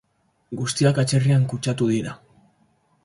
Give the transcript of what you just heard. Guztiak atzerrian kutsatu dira.